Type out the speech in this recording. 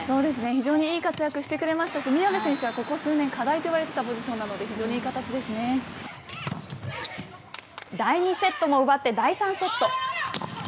非常にいい活躍をしてくれましたし宮部選手は、ここ数年、課題と言われていたポジションなので、非第２セットも奪って、第３セット。